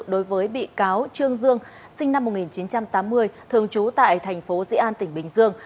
đối với bị cáo trương dương sinh năm một nghìn chín trăm tám mươi thường trú tại thành phố dĩ an tỉnh bình dương